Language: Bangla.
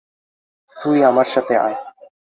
তুই আমার সাথে আয়।